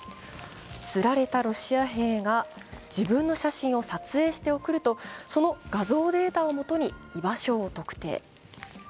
つられたロシア兵が自分の写真を撮影して送るとその画像データを元に居場所を特定。